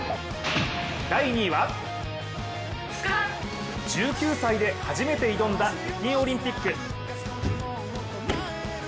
第２位は、１９歳で初めて挑んだ北京オリンピック。